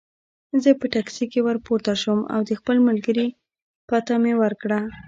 زه په ټکسي کې ورپورته شوم او د خپل ملګري پته مې ورکړه.